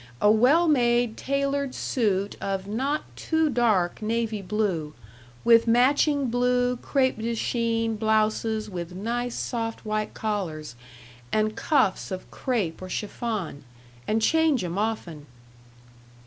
A well made tailored suit of not too dark navy blue, with matching blue crêpe de Chine blouses with nice, soft, white collars, and cuffs of crêpe or chiffon and change 'em often."